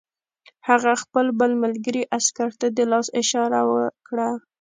هغه خپل بل ملګري عسکر ته د لاس اشاره وکړه